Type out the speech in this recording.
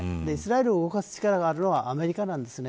イスラエルを動かす力があるのはアメリカなんですね。